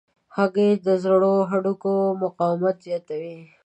هګۍ د زړو هډوکو مقاومت زیاتوي.